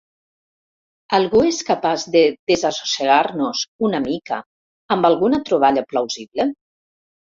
¿Algú és capaç de desassossegar-nos una mica amb alguna troballa plausible?